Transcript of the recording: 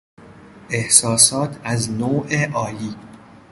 احساسات از نوع عالی